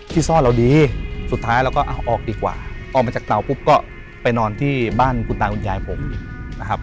ที่ซ่อนเราดีสุดท้ายเราก็เอาออกดีกว่าออกมาจากเตาปุ๊บก็ไปนอนที่บ้านคุณตาคุณยายผมนะครับ